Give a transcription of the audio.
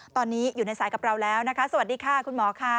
ตอนนี้อยู่ในสายกับเราแล้วนะคะสวัสดีค่ะคุณหมอค่ะ